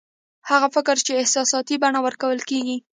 هغه فکر چې احساساتي بڼه ورکول کېږي